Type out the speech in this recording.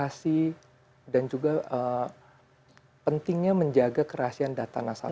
kami juga menggunakan edukasi dan juga pentingnya menjaga kerahsian data nasabah